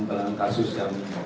perang kasus yang